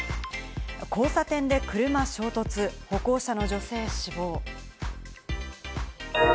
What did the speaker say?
交差点で車衝突、歩行者の女性死亡。